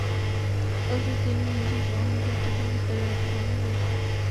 অথচ তিনি নিজেই অন্য সূত্রে সবিস্তারে এটি বর্ণনা করেছেন।